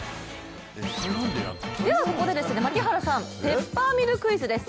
ではここで槙原さん、ペッパーミルクイズです。